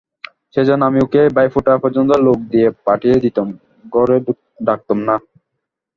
সেইজন্যে আমি ওকে ভাইফোঁটা পর্যন্ত লোক দিয়ে পাঠিয়ে দিতুম, ঘরে ডাকতুম না।